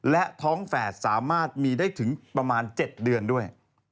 และท้องแฝดสามารถมีได้ถึงประมาณ๗เดือนด้วย